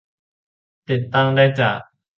ติดตั้งได้จาก